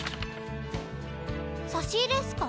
差し入れっすか？